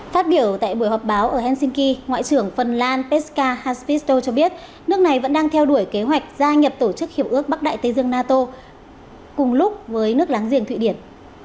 phát biểu tại buổi họp báo ở helsinki ngoại trưởng phần lan peskar haspisto cho biết nước này vẫn đang theo đuổi kế hoạch gia nhập tổ chức hiệp ước bắc đại tây dương nato cùng lúc với nước láng giềng thụy điển